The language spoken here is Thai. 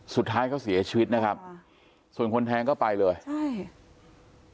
สุดท้ายเขาเสียชีวิตนะครับค่ะส่วนคนแทงก็ไปเลยใช่